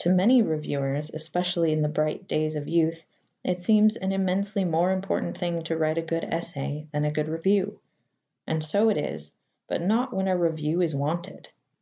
To many reviewers especially in the bright days of youth it seems an immensely more important thing to write a good essay than a good review. And so it is, but not when a review is wanted.